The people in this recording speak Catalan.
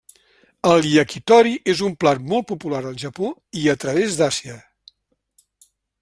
El yakitori és un plat molt popular al Japó i a través d'Àsia.